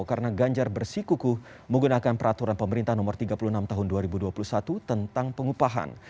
karena ganjar bersikuku menggunakan peraturan pemerintah nomor tiga puluh enam tahun dua ribu dua puluh satu tentang pengupahan